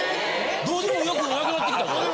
どうでもよくもなくなってきたぞ。